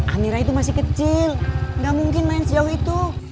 amira itu masih kecil gak mungkin main sejauh itu